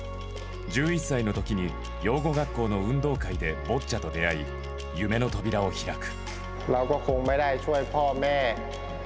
１１歳のときに養護学校の運動会でボッチャと出会い、夢の扉を開く。